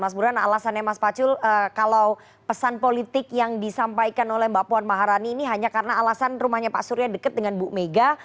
mas buran alasannya mas pacul kalau pesan politik yang disampaikan oleh mbak puan maharani ini hanya karena alasan rumahnya pak surya dekat dengan bu mega